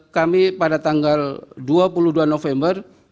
kami pada tanggal dua puluh dua november